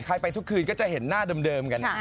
ไปทุกคืนก็จะเห็นหน้าเดิมกัน